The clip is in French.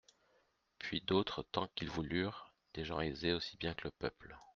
Puis d'autres tant qu'ils voulurent, des gens aisés aussi bien que le peuple.